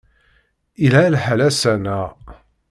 Yelha lḥal ass-a, naɣ?